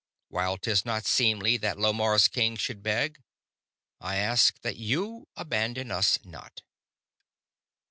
While 'tis not seemly that Lomarr's king should beg, I ask that you abandon us not."